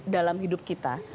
dalam hidup kita